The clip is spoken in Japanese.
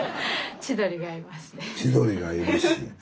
千鳥がいるし。